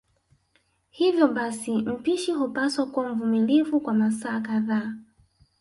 Hivyo basi mpishi hupaswa kuwa mvumilivu kwa masaa kadhaa